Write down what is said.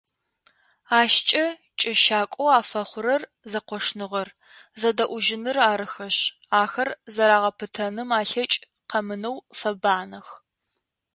Ащкӏэ кӏэщакӏоу афэхъурэр зэкъошныгъэр, зэдэӏужьыныр арыхэшъ, ахэр зэрагъэпытэным алъэкӏ къэмынэу фэбанэх.